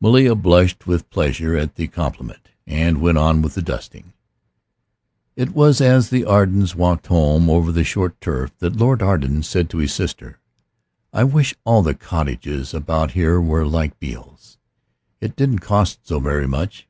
'Melia blushed with pleasure at the compliment, and went on with the dusting. It was as the Ardens walked home over the short turf that Lord Arden said to his sister, "I wish all the cottages about here were like Beale's. It didn't cost so very much.